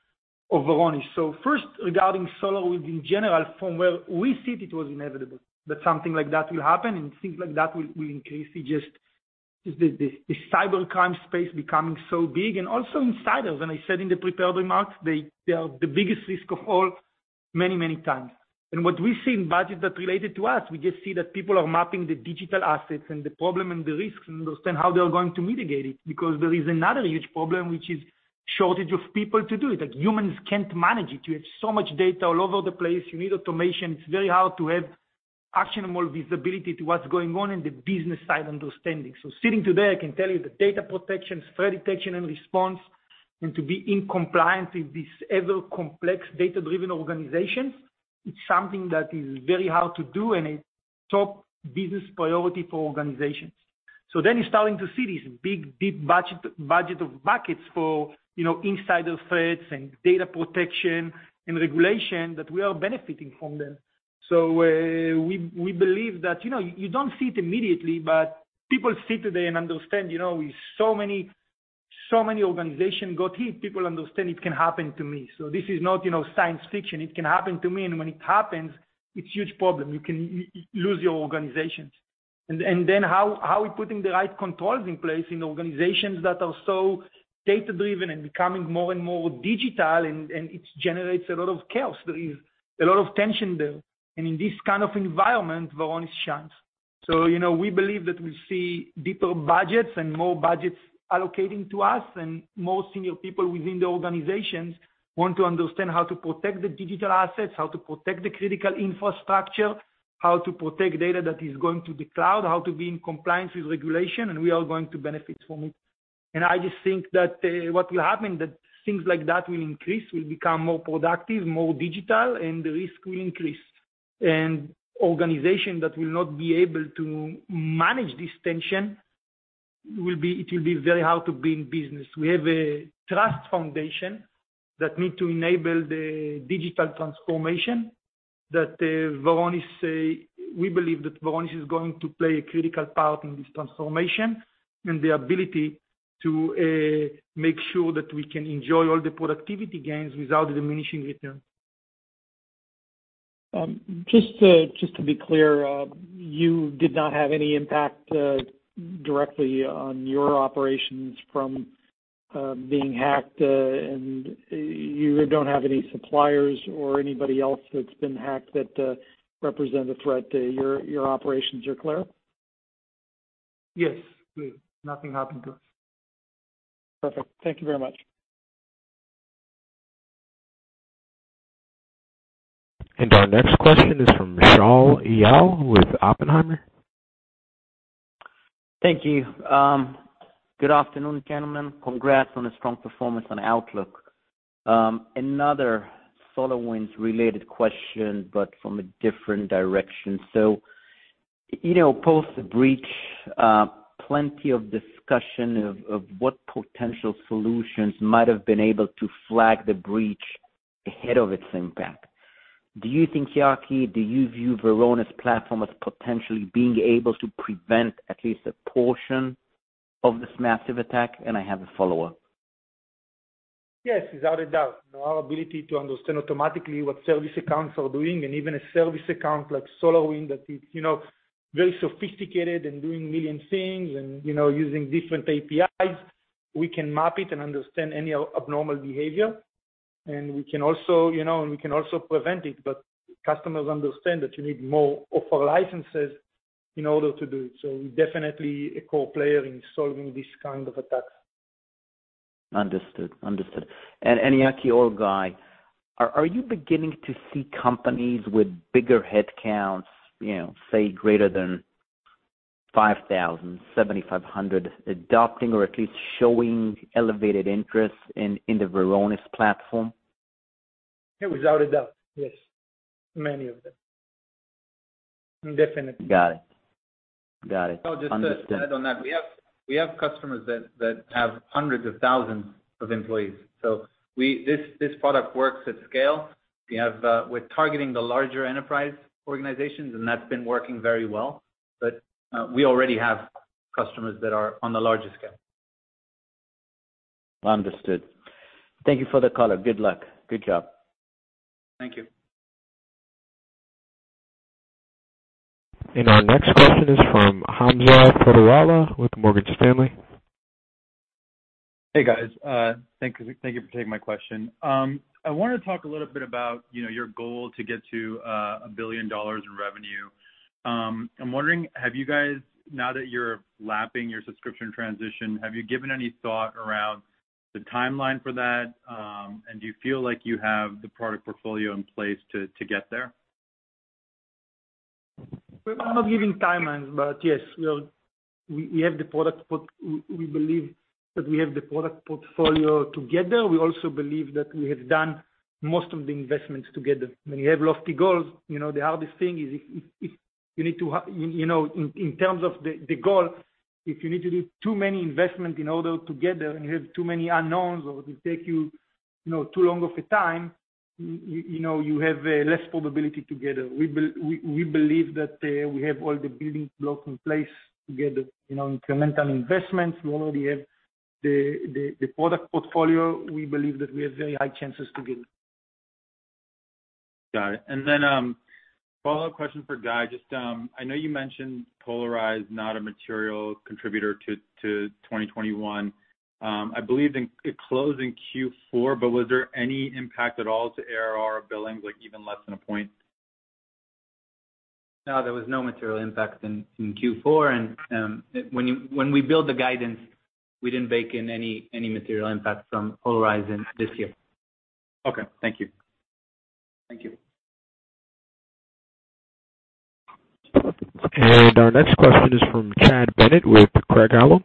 Varonis. First, regarding SolarWinds in general, from where we sit, it was inevitable that something like that will happen and things like that will increase. It's just the cybercrime space becoming so big. Also insiders, and I said in the prepared remarks, they are the biggest risk of all, many, many times. What we see in budgets that related to us, we just see that people are mapping the digital assets and the problem and the risks and understand how they are going to mitigate it, because there is another huge problem, which is shortage of people to do it. Humans can't manage it. You have so much data all over the place. You need automation. It's very hard to have actionable visibility to what's going on in the business side understanding. Sitting today, I can tell you that data protection, threat detection and response, and to be in compliance with these ever-complex, data-driven organizations, it's something that is very hard to do and a top business priority for organizations. You're starting to see these big budget buckets for insider threats and data protection and regulation that we are benefiting from them. We believe that you don't see it immediately, but people see today and understand, so many organizations got hit, people understand it can happen to me. This is not science fiction. It can happen to me, and when it happens, it's huge problem. You can lose your organizations. How we're putting the right controls in place in organizations that are so data-driven and becoming more and more digital, and it generates a lot of chaos. There is a lot of tension there. In this kind of environment, Varonis shines. We believe that we see deeper budgets and more budgets allocating to us, and more senior people within the organizations want to understand how to protect the digital assets, how to protect the critical infrastructure, how to protect data that is going to the cloud, how to be in compliance with regulation, and we are going to benefit from it. I just think that what will happen, that things like that will increase, we'll become more productive, more digital, and the risk will increase. Organization that will not be able to manage this tension, it will be very hard to be in business. We have a trust foundation that need to enable the digital transformation, that we believe that Varonis is going to play a critical part in this transformation and the ability to make sure that we can enjoy all the productivity gains without diminishing return. Just to be clear, you did not have any impact directly on your operations from being hacked, and you don't have any suppliers or anybody else that's been hacked that represent a threat to your operations. Is that clear? Yes. Nothing happened to us. Perfect. Thank you very much. Our next question is from Shaul Eyal with Oppenheimer. Thank you. Good afternoon, gentlemen. Congrats on a strong performance and outlook. Another SolarWinds related question, from a different direction. Post the breach, plenty of discussion of what potential solutions might have been able to flag the breach ahead of its impact. Do you think, Yaki, do you view Varonis platform as potentially being able to prevent at least a portion of this massive attack? I have a follow-up. Yes, without a doubt. Our ability to understand automatically what service accounts are doing, and even a service account like SolarWinds that is very sophisticated and doing million things and using different APIs, we can map it and understand any abnormal behavior. We can also prevent it. Customers understand that you need more of our licenses in order to do it. We're definitely a core player in solving these kind of attacks. Understood. Yaki or Guy, are you beginning to see companies with bigger headcounts, say, greater than 5,000, 7,500, adopting or at least showing elevated interest in the Varonis platform? Without a doubt, yes. Many of them. Definitely. Got it. Understood. Just to add on that, we have customers that have hundreds of thousands of employees. This product works at scale. We're targeting the larger enterprise organizations, and that's been working very well. We already have customers that are on the larger scale. Understood. Thank you for the call. Good luck. Good job. Thank you. Our next question is from Hamza Fodderwala with Morgan Stanley. Hey, guys. Thank you for taking my question. I want to talk a little bit about your goal to get to $1 billion in revenue. I'm wondering, have you guys, now that you're lapping your subscription transition, have you given any thought around the timeline for that? Do you feel like you have the product portfolio in place to get there? We're not giving timelines, but yes, we believe that we have the product portfolio to get there. We also believe that we have done most of the investments to get there. When you have lofty goals, the hardest thing is if you need to, in terms of the goal, if you need to do too many investments in order to get there, and you have too many unknowns, or it will take you too long of a time, you have less probability to get it. We believe that we have all the building blocks in place to get there. Incremental investments. We already have the product portfolio. We believe that we have very high chances to get it. Got it. A follow-up question for Guy. Just, I know you mentioned Polyrize, not a material contributor to 2021. I believe it closed in Q4, was there any impact at all to ARR or billings, like even less than a point? There was no material impact in Q4. When we build the guidance, we didn't bake in any material impact from Polyrize this year. Okay. Thank you. Thank you. Our next question is from Chad Bennett with Craig-Hallum.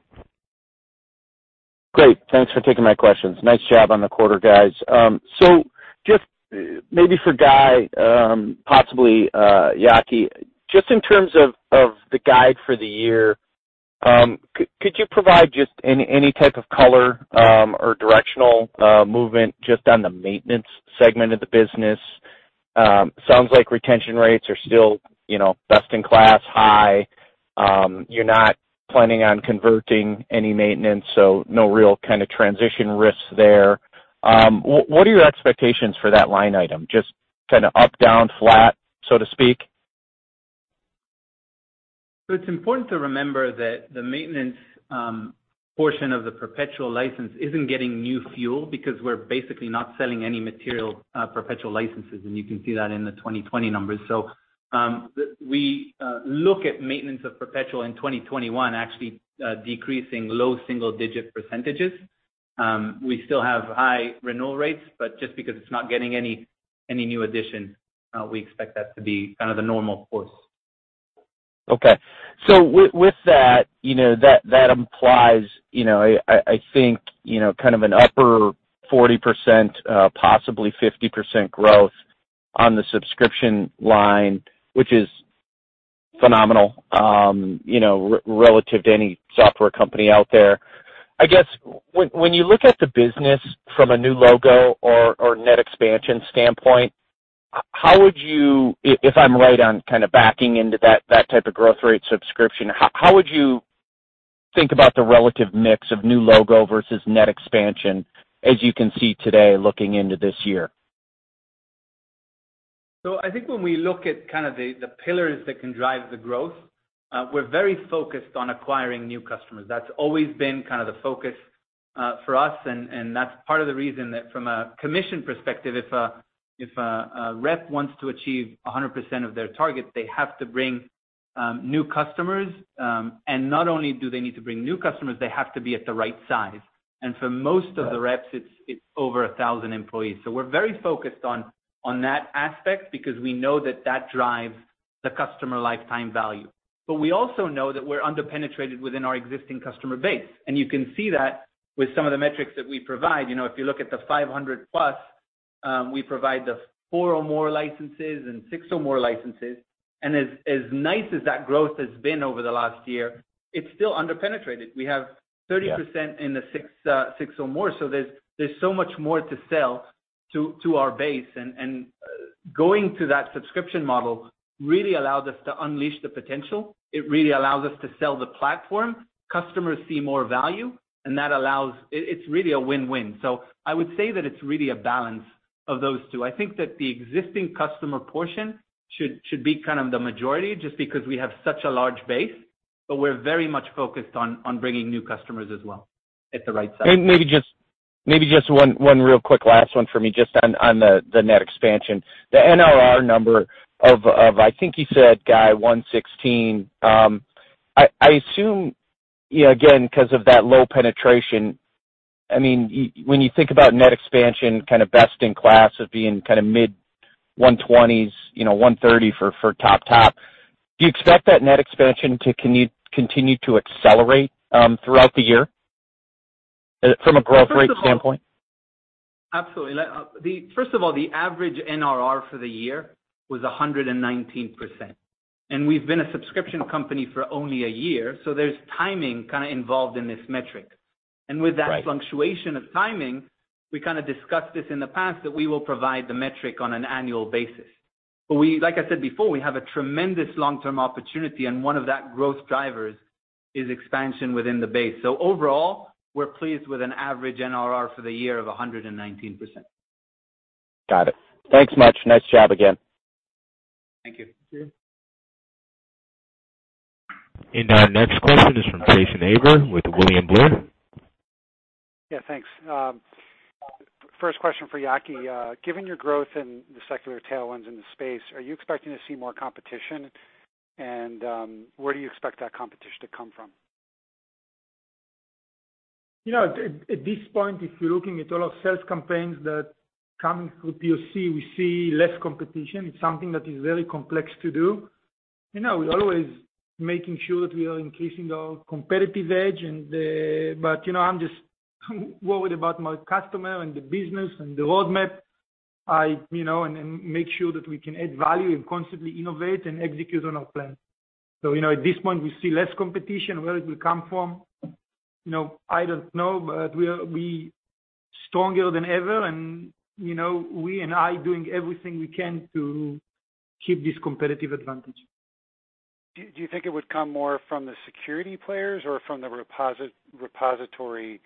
Great. Thanks for taking my questions. Nice job on the quarter, guys. Just maybe for Guy, possibly Yaki, just in terms of the guide for the year, could you provide just any type of color or directional movement just on the maintenance segment of the business? Sounds like retention rates are still best-in-class, high. You're not planning on converting any maintenance, so no real kind of transition risks there. What are your expectations for that line item? Just kind of up, down, flat, so to speak? It's important to remember that the maintenance portion of the perpetual license isn't getting new fuel because we're basically not selling any material perpetual licenses, and you can see that in the 2020 numbers. We look at maintenance of perpetual in 2021 actually decreasing low single-digit percentages. We still have high renewal rates, but just because it's not getting any new additions, we expect that to be kind of the normal course. With that implies I think, kind of an upper 40%, possibly 50% growth on the subscription line, which is phenomenal relative to any software company out there. When you look at the business from a new logo or net expansion standpoint, if I'm right on kind of backing into that type of growth rate subscription, how would you think about the relative mix of new logo versus net expansion, as you can see today looking into this year? I think when we look at kind of the pillars that can drive the growth, we're very focused on acquiring new customers. That's always been kind of the focus for us, and that's part of the reason that from a commission perspective, if a rep wants to achieve 100% of their targets, they have to bring new customers. Not only do they need to bring new customers, they have to be at the right size. For most of the reps, it's over 1,000 employees. We're very focused on that aspect because we know that that drives the customer lifetime value. We also know that we're under-penetrated within our existing customer base. You can see that with some of the metrics that we provide. If you look at the 500 plus, we provide the four or more licenses and six or more licenses. As nice as that growth has been over the last year, it's still under-penetrated. We have 30% in the 6 or more, so there's so much more to sell to our base. Going to that subscription model really allows us to unleash the potential. It really allows us to sell the platform. Customers see more value, and it's really a win-win. I would say that it's really a balance of those two. I think that the existing customer portion should be kind of the majority, just because we have such a large base, but we're very much focused on bringing new customers as well at the right size. Maybe just one real quick last one for me, just on the net expansion. The NRR number of, I think you said, Guy, 116, I assume, again, because of that low penetration, when you think about net expansion, best in class of being mid 120s, 130 for top-top, do you expect that net expansion to continue to accelerate throughout the year from a growth rate standpoint? Absolutely. First of all, the average NRR for the year was 119%, and we've been a subscription company for only a year, so there's timing involved in this metric. Right. With that fluctuation of timing, we discussed this in the past, that we will provide the metric on an annual basis. Like I said before, we have a tremendous long-term opportunity, and one of that growth drivers is expansion within the base. Overall, we're pleased with an average NRR for the year of 119%. Got it. Thanks much. Nice job again. Thank you. Our next question is from Jason Ader with William Blair. Yeah, thanks. First question for Yaki. Given your growth in the secular tailwinds in the space, are you expecting to see more competition? Where do you expect that competition to come from? At this point, if you're looking at all our sales campaigns that come through POC, we see less competition. It's something that is very complex to do. We're always making sure that we are increasing our competitive edge, but I'm just worried about my customer and the business and the roadmap. Make sure that we can add value and constantly innovate and execute on our plan. At this point, we see less competition. Where it will come from, I don't know, but we are stronger than ever, and we, and I, doing everything we can to keep this competitive advantage. Do you think it would come more from the security players or from the repository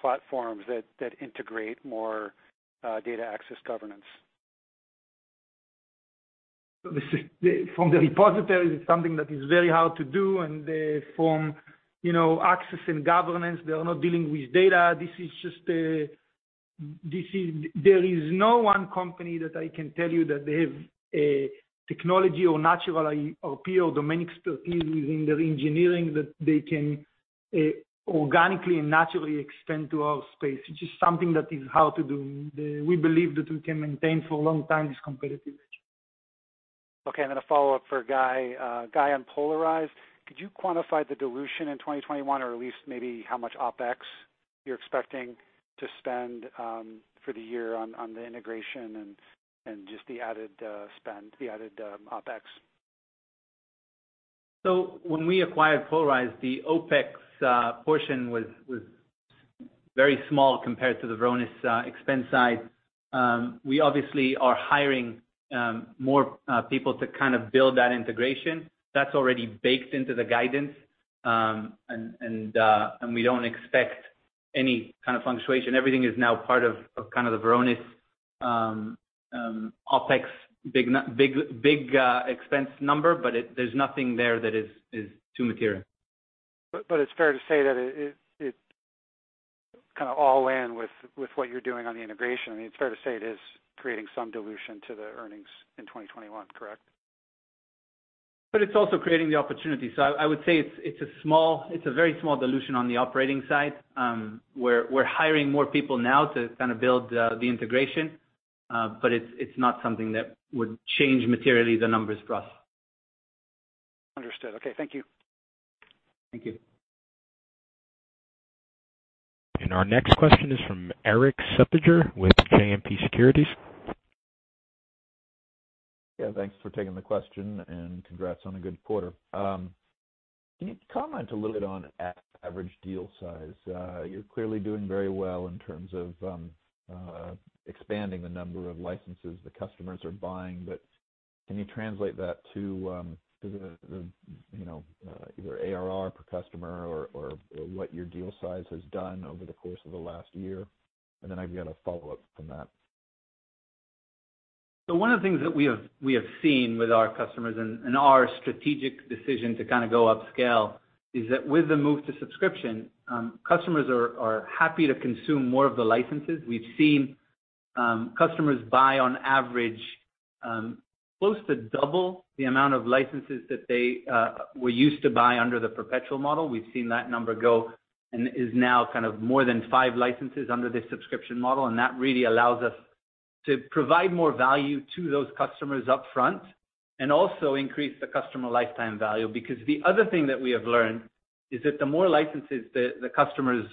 platforms that integrate more data access governance? From the repository, it's something that is very hard to do, and from access and governance, they are not dealing with data. There is no one company that I can tell you that they have a technology or natural appeal, domain expertise within their engineering that they can organically and naturally extend to our space. It's just something that is hard to do. We believe that we can maintain for a long time, this competitive edge. Okay, a follow-up for Guy. Guy, on Polyrize, could you quantify the dilution in 2021 or at least maybe how much OpEx you're expecting to spend for the year on the integration and just the added OpEx? When we acquired Polyrize, the OpEx portion was very small compared to the Varonis expense side. We obviously are hiring more people to build that integration. That's already baked into the guidance, and we don't expect any kind of fluctuation. Everything is now part of the Varonis OpEx big expense number, there's nothing there that is too material. It's fair to say that it all in with what you're doing on the integration. It's fair to say it is creating some dilution to the earnings in 2021, correct? It's also creating the opportunity. I would say it's a very small dilution on the operating side. We're hiring more people now to build the integration. It's not something that would change materially the numbers for us. Understood. Okay. Thank you. Thank you. Our next question is from Erik Suppiger with JMP Securities. Yeah, thanks for taking the question, and congrats on a good quarter. Can you comment a little bit on average deal size? You're clearly doing very well in terms of expanding the number of licenses the customers are buying, but can you translate that to either ARR per customer or what your deal size has done over the course of the last year? I've got a follow-up from that. One of the things that we have seen with our customers and our strategic decision to go upscale is that with the move to subscription, customers are happy to consume more of the licenses. We've seen customers buy, on average, close to double the amount of licenses that they were used to buy under the perpetual model. We've seen that number go and it is now more than five licenses under the subscription model. That really allows us to provide more value to those customers upfront and also increase the customer lifetime value. The other thing that we have learned is that the more licenses the customers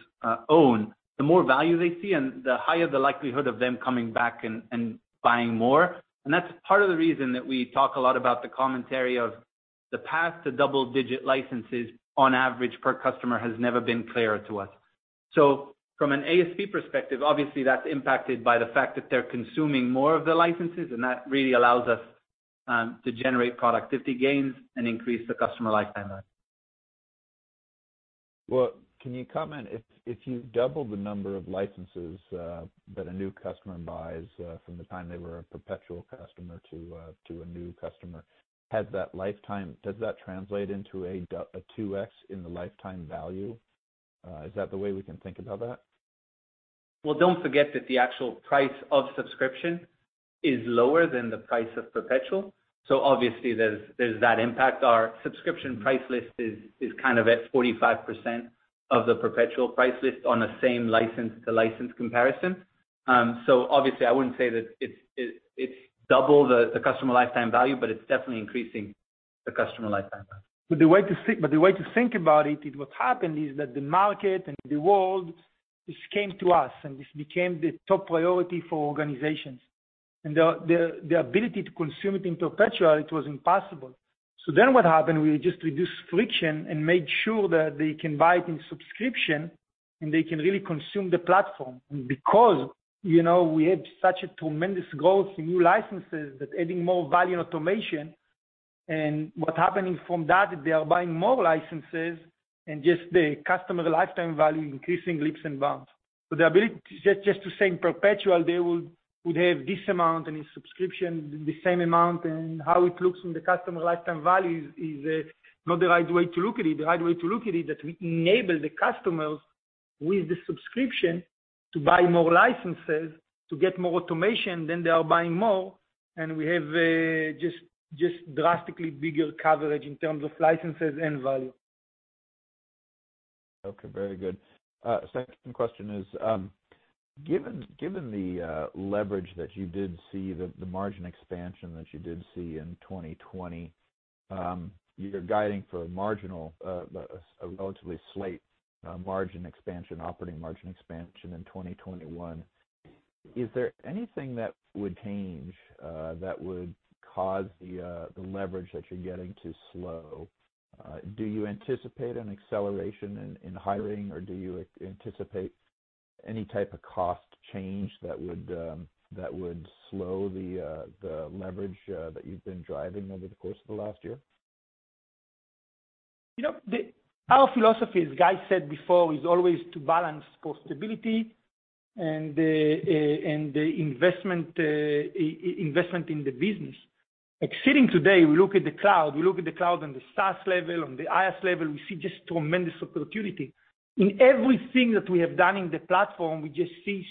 own, the more value they see, and the higher the likelihood of them coming back and buying more. That's part of the reason that we talk a lot about the commentary of the path to double-digit licenses on average per customer has never been clearer to us. From an ASP perspective, obviously that's impacted by the fact that they're consuming more of the licenses, and that really allows us to generate productivity gains and increase the customer lifetime value. Well, can you comment, if you've doubled the number of licenses that a new customer buys from the time they were a perpetual customer to a new customer, does that translate into a 2X in the lifetime value? Is that the way we can think about that? Well, don't forget that the actual price of subscription is lower than the price of perpetual. Obviously there's that impact. Our subscription price list is at 45% of the perpetual price list on the same license-to-license comparison. Obviously, I wouldn't say that it's double the customer lifetime value, but it's definitely increasing the customer lifetime value. The way to think about it, is what's happened is that the market and the world, this came to us, and this became the top priority for organizations. The ability to consume it in perpetual, it was impossible. What happened, we just reduced friction and made sure that they can buy it in subscription, and they can really consume the platform. Because we had such a tremendous growth in new licenses that adding more value and automation, and what's happening from that is they are buying more licenses and just the customer lifetime value increasing leaps and bounds. The ability just to say in perpetual, they would have this amount, and in subscription, the same amount, and how it looks from the customer lifetime value is not the right way to look at it. The right way to look at it, that we enable the customers with the subscription to buy more licenses to get more automation, then they are buying more, and we have just drastically bigger coverage in terms of licenses and value. Okay, very good. Second question is, given the leverage that you did see, the margin expansion that you did see in 2020, you're guiding for a marginal, a relatively slight margin expansion, operating margin expansion in 2021. Is there anything that would change, that would cause the leverage that you're getting to slow? Do you anticipate an acceleration in hiring or do you anticipate any type of cost change that would slow the leverage that you've been driving over the course of the last year? Our philosophy, as Guy said before, is always to balance profitability and the investment in the business. Sitting today, we look at the cloud, we look at the cloud on the SaaS level, on the IaaS level, we see just tremendous opportunity. In everything that we have done in the platform, we just see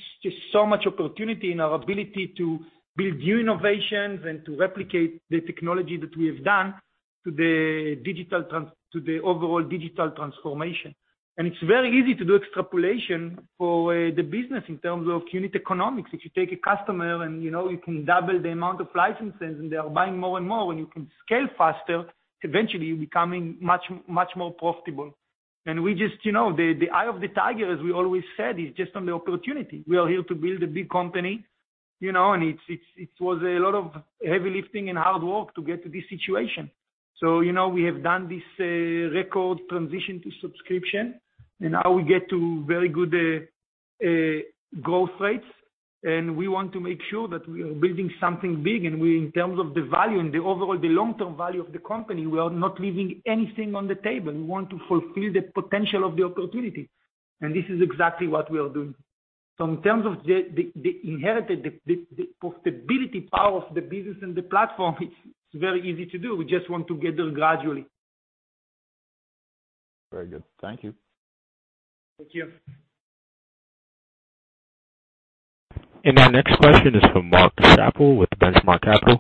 so much opportunity in our ability to build new innovations and to replicate the technology that we have done to the overall digital transformation. It's very easy to do extrapolation for the business in terms of unit economics. If you take a customer and you can double the amount of licenses and they are buying more and more, and you can scale faster, eventually you're becoming much more profitable. The eye of the tiger, as we always said, is just on the opportunity. We are here to build a big company, and it was a lot of heavy lifting and hard work to get to this situation. We have done this record transition to subscription, and now we get to very good growth rates, and we want to make sure that we are building something big. In terms of the value and the overall, the long-term value of the company, we are not leaving anything on the table. We want to fulfill the potential of the opportunity. This is exactly what we are doing. In terms of the inherited, the profitability power of the business and the platform, it's very easy to do. We just want to get there gradually. Very good. Thank you. Thank you. Our next question is from Mark Schappel with The Benchmark Company.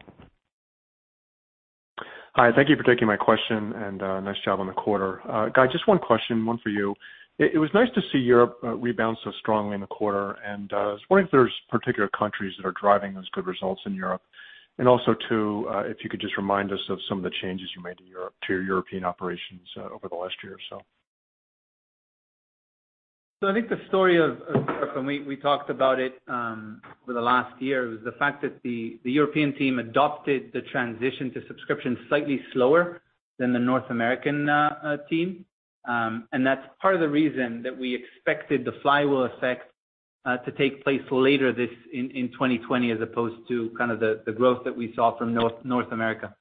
Hi. Thank you for taking my question, nice job on the quarter. Guy, just one question, one for you. It was nice to see Europe rebound so strongly in the quarter, I was wondering if there's particular countries that are driving those good results in Europe. Also too, if you could just remind us of some of the changes you made in Europe to your European operations over the last year or so. I think the story of Europe, and we talked about it for the last year, was the fact that the European team adopted the transition to subscription slightly slower than the North American team. That's part of the reason that we expected the flywheel effect, to take place later in 2020, as opposed to the growth that we saw from North America.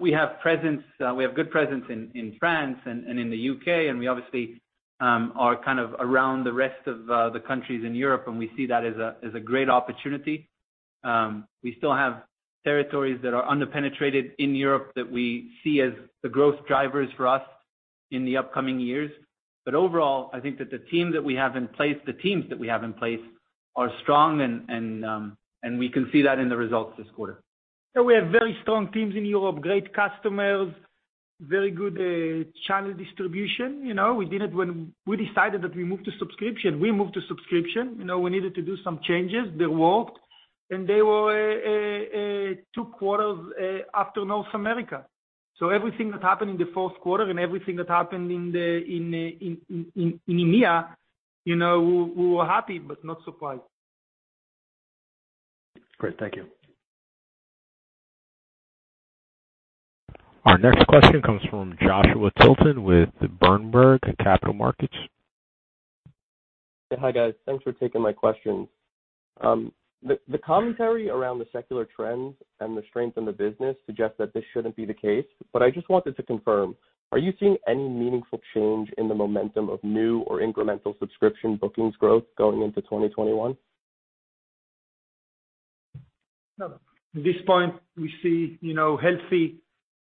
We have good presence in France and in the U.K., and we obviously are kind of around the rest of the countries in Europe, and we see that as a great opportunity. We still have territories that are under-penetrated in Europe that we see as the growth drivers for us in the upcoming years. Overall, I think that the teams that we have in place are strong, and we can see that in the results this quarter. Yeah, we have very strong teams in Europe, great customers, very good channel distribution. We did it when we decided that we move to subscription. We moved to subscription. We needed to do some changes that worked, and they were two quarters after North America. Everything that happened in the fourth quarter and everything that happened in EMEA, we were happy but not surprised. Great. Thank you. Our next question comes from Joshua Tilton with the Berenberg Capital Markets. Hi, guys. Thanks for taking my questions. The commentary around the secular trends and the strength in the business suggests that this shouldn't be the case, but I just wanted to confirm, are you seeing any meaningful change in the momentum of new or incremental subscription bookings growth going into 2021. No. At this point, we see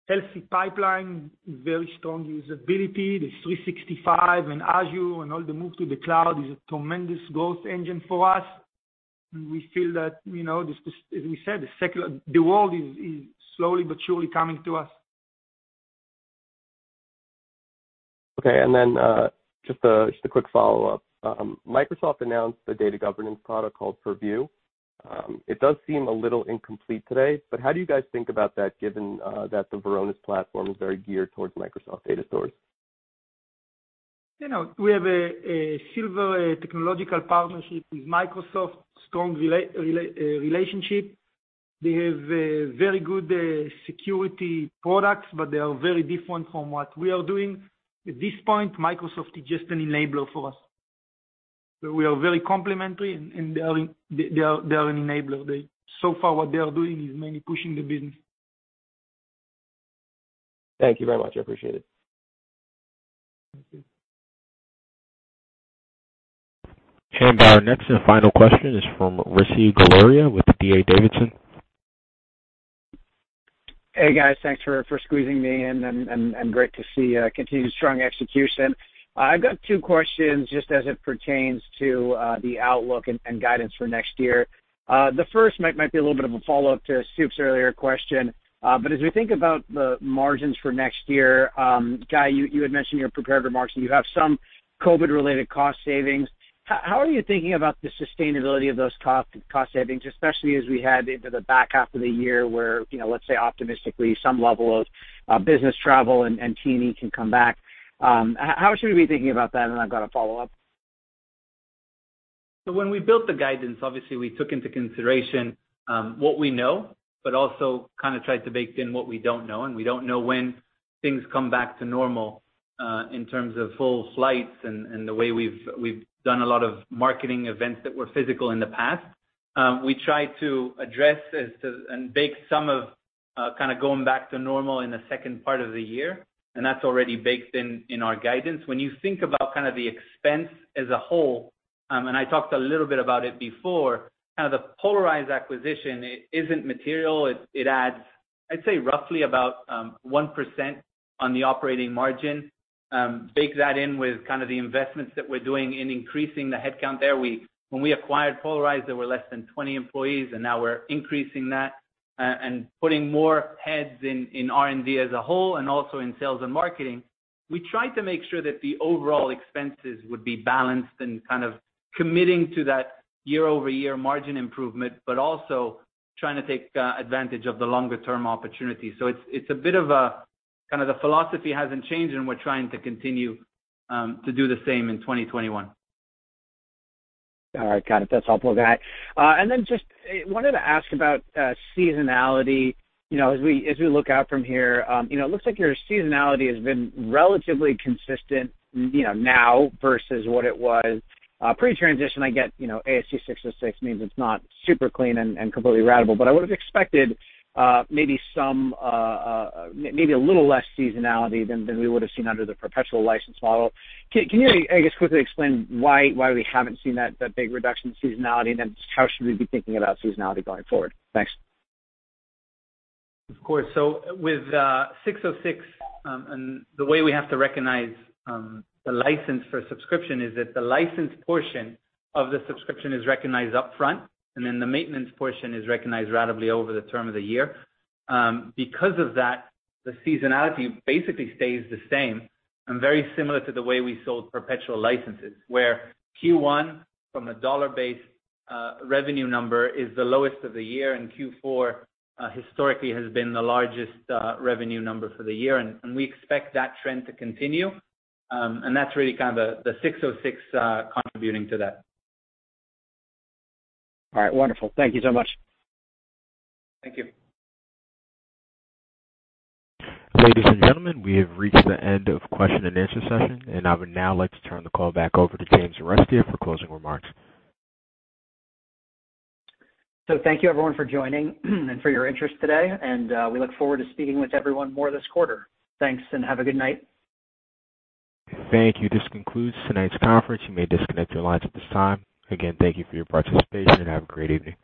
healthy pipeline, very strong usability. The 365 and Azure and all the move to the cloud is a tremendous growth engine for us. We feel that, as we said, the world is slowly but surely coming to us. Okay. Just a quick follow-up. Microsoft announced a data governance product called Purview. It does seem a little incomplete today, but how do you guys think about that given that the Varonis platform is very geared towards Microsoft data stores? We have a silver technological partnership with Microsoft, strong relationship. They have very good security products, but they are very different from what we are doing. At this point, Microsoft is just an enabler for us. We are very complementary, and they are an enabler. So far what they are doing is mainly pushing the business. Thank you very much. I appreciate it. Thank you. Our next and final question is from Rishi Jaluria with D.A. Davidson. Hey, guys, thanks for squeezing me in. Great to see continued strong execution. I've got two questions just as it pertains to the outlook and guidance for next year. The first might be a little bit of a follow-up to Soup's earlier question. As we think about the margins for next year, Guy, you had mentioned in your prepared remarks that you have some COVID-related cost savings. How are you thinking about the sustainability of those cost savings, especially as we head into the back half of the year where, let's say optimistically, some level of business travel and teaming can come back? How should we be thinking about that? I've got a follow-up. When we built the guidance, obviously, we took into consideration what we know, but also kind of tried to bake in what we don't know, and we don't know when things come back to normal in terms of full flights and the way we've done a lot of marketing events that were physical in the past. We try to address and bake some of kind of going back to normal in the second part of the year, and that's already baked in our guidance. When you think about the expense as a whole, and I talked a little bit about it before, kind of the Polyrize acquisition, it isn't material. It adds, I'd say, roughly about 1% on the operating margin. Bake that in with kind of the investments that we're doing in increasing the headcount there. When we acquired Polyrize, there were less than 20 employees. Now we're increasing that and putting more heads in R&D as a whole, and also in sales and marketing. We try to make sure that the overall expenses would be balanced and kind of committing to that year-over-year margin improvement, also trying to take advantage of the longer-term opportunity. It's kind of the philosophy hasn't changed, and we're trying to continue to do the same in 2021. All right, got it. That's helpful, Guy. Just wanted to ask about seasonality. As we look out from here, it looks like your seasonality has been relatively consistent now versus what it was pre-transition. I get ASC 606 means it's not super clean and completely ratable. I would've expected maybe a little less seasonality than we would've seen under the perpetual license model. Can you, I guess, quickly explain why we haven't seen that big reduction in seasonality, how should we be thinking about seasonality going forward? Thanks. Of course. With 606, and the way we have to recognize the license for subscription is that the license portion of the subscription is recognized upfront, and then the maintenance portion is recognized ratably over the term of the year. Because of that, the seasonality basically stays the same and very similar to the way we sold perpetual licenses, where Q1, from a dollar-based revenue number, is the lowest of the year, and Q4 historically has been the largest revenue number for the year. We expect that trend to continue. That's really kind of the 606 contributing to that. All right. Wonderful. Thank you so much. Thank you. Ladies and gentlemen, we have reached the end of question-and-answer session, and I would now like to turn the call back over to James Arestia for closing remarks. Thank you, everyone, for joining and for your interest today, and we look forward to speaking with everyone more this quarter. Thanks, and have a good night. Thank you. This concludes tonight's conference. You may disconnect your lines at this time. Again, thank you for your participation and have a great evening.